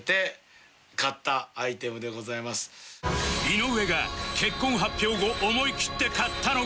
井上が結婚発表後思いきって買ったのがこちら